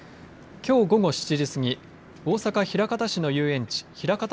きょう午後７時過ぎ大阪、枚方市の遊園地ひらかた